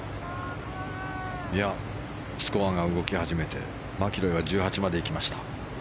スコアが動き始めてマキロイは１８まで来ました。